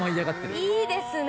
いいですね！